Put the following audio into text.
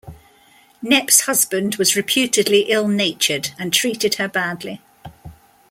Knepp's husband was reputedly "ill-natured" and treated her badly.